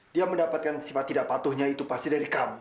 dia mendapatkan sifat tidak patuhnya itu pasti dari kamu